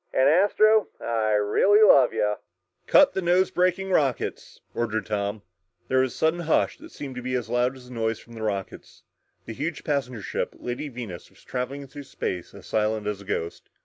"And, Astro, I really love ya!" "Cut nose braking rockets!" ordered Tom. There was a sudden hush that seemed to be as loud as the noise of the rockets. The huge passenger ship, Lady Venus, was traveling through space as silent as a ghost.